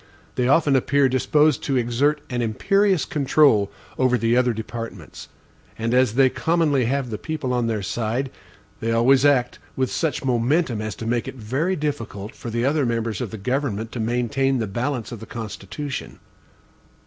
They often appear disposed to exert an imperious control over the other departments; and as they commonly have the people on their side, they always act with such momentum as to make it very difficult for the other members of the government to maintain the balance of the Constitution.